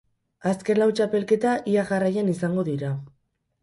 Azken lau txapelketa ia jarraian izango dira.